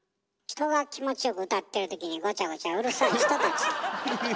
人が気持ちよく歌ってる時にごちゃごちゃうるさい人たち。